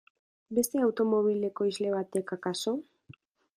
Beste automobil ekoizle batek akaso?